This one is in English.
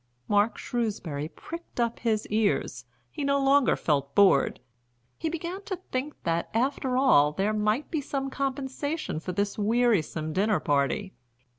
Mark Shrewsbury pricked up his ears, he no longer felt bored, he began to think that, after all, there might be some compensation for this wearisome dinner party.